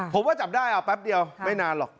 ผมว่าจับได้เอาแป๊บเดียวไม่นานหรอก